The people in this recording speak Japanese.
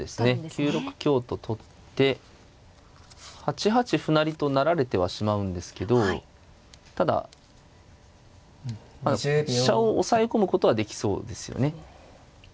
９六香と取って８八歩成と成られてはしまうんですけどただ飛車を押さえ込むことはできそうですよね。